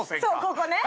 ここね！